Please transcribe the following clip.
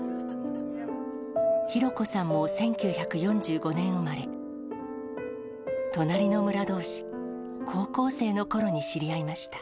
弘子さんも１９４５年産まれ、隣の村どうし、高校生のころに知り合いました。